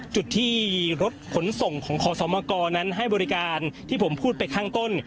จุดที่รถขนส่งของขอสมกรนั้นให้บริการที่ผมพูดไปข้างต้น